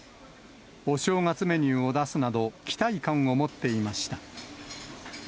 お正月メニューを出すなど、期待感を持っていました。